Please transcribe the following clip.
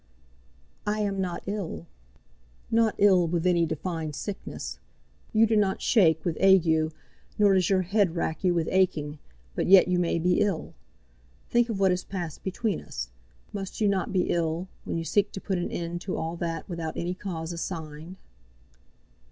"I am not ill." "Not ill with any defined sickness. You do not shake with ague, nor does your head rack you with aching; but yet you may be ill. Think of what has passed between us. Must you not be ill when you seek to put an end to all that without any cause assigned."